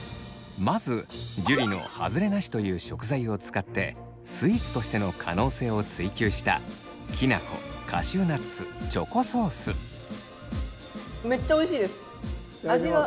まず樹のハズレなしという食材を使ってスイーツとしての可能性を追求しためっちゃおいしいです味は。